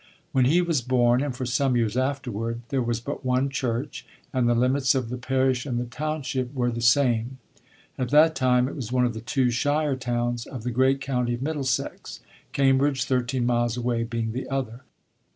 When he was born, and for some years afterward, there was but one church, and the limits of the parish and the township were the same. At that time it was one of the two shire towns of the great county of Middlesex, Cambridge, thirteen miles away, being the other.